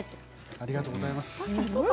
ありがとうございます。